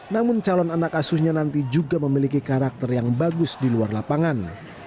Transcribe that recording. namun calon anak asuhnya nanti juga memiliki karakter yang bagus di luar lapangan